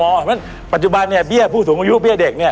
เพราะฉะนั้นปัจจุบันเนี่ยเบี้ยผู้สูงอายุเบี้ยเด็กเนี่ย